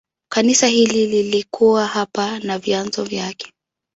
Kanisa hili lilikuwa hapa na vyanzo vyake.